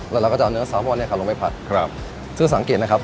แล้วเราก็จะเอาเนื้อซาวมอนเนี่ยครับลงไปผัดครับซึ่งสังเกตนะครับ